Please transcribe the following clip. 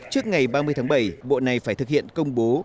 trước ngày ba mươi tháng bảy bộ này phải thực hiện công bố